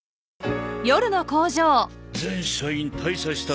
全社員退社したかね？